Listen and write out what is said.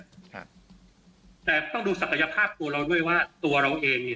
ครับแต่ต้องดูศักยภาพตัวเราด้วยว่าตัวเราเองเนี่ย